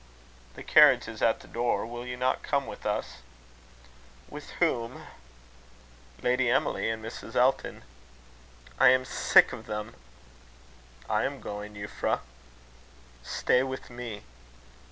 "The carriage is at the door. Will you not come with us?" "With whom?" "Lady Emily and Mrs. Elton." "I am sick of them." "I am going, Euphra." "Stay with me."